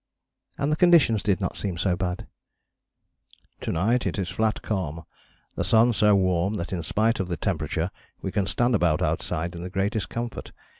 And the conditions did not seem so bad. "To night it is flat calm; the sun so warm that in spite of the temperature we can stand about outside in the greatest comfort.